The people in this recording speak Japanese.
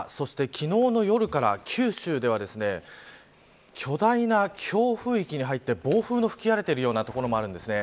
昨日の夜から九州では巨大な強風域に入って暴風の吹き荒れている所もあるんです。